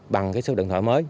bằng cái số điện thoại